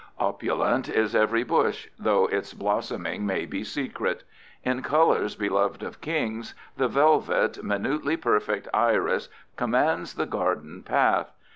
Opulent is every bush, though its blossoming may be secret. In colors beloved of kings, the velvet, minutely perfect iris commands the garden path.